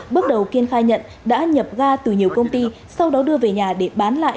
bước đầu kiên khai nhận đã nhập ga từ nhiều công ty sau đó đưa về nhà để bán lại